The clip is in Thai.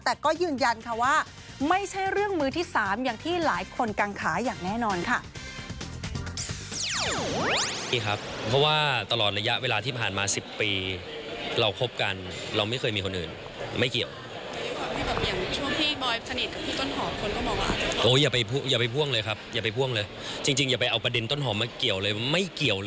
แต่ก็ยืนยันค่ะว่าไม่ใช่เรื่องมือที่๓อย่างที่หลายคนกังขาอย่างแน่นอนค่ะ